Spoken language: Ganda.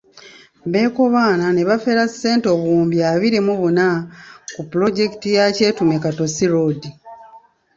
Bekobaana ne bafera ssente obuwumbi abiri mu buna ku pulojekiti ya Kyetume–Katosi road.